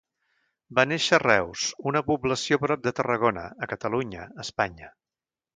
Va néixer a Reus, una població a prop de Tarragona, a Catalunya, Espanya.